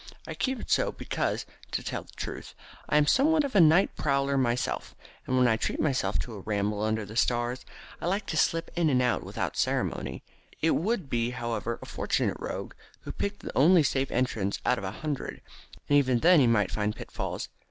I keep it so because, to tell the truth, I am somewhat of a night prowler myself, and when I treat myself to a ramble under the stars I like to slip in and out without ceremony. It would, however, be a fortunate rogue who picked the only safe entrance out of a hundred, and even then he might find pitfalls.